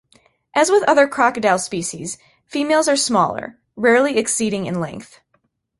As with other crocodile species, females are smaller; rarely exceeding in length.